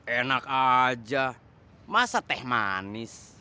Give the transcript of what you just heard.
enak aja masa teh manis